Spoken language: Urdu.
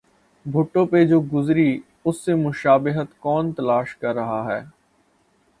بھٹو پہ جو گزری اس سے مشابہت کون تلاش کر رہا ہے؟